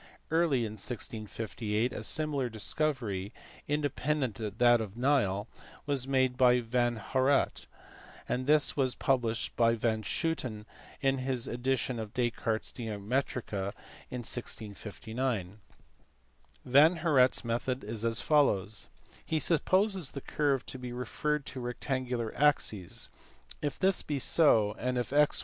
Early in 1658 a similar discovery, independ ent of that of Neil, was made by van Heuraet*, and this was published by van Schooten in his edition of Descartes s Geometria in 1659. Van Heuraet s method is as follows. He supposes the curve to be referred to rectangular axes ; if this be so, and if (x